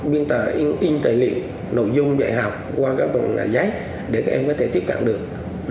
biên tài in tài liệu nội dung dạy học qua các vòng giấy để các em có thể tiếp cận được